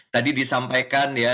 tadi disampaikan ya